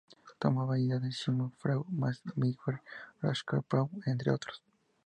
Tomaba ideas de Sigmund Freud, Max Webber y Roscoe Pound entre otros.